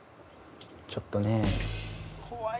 ちょっとね。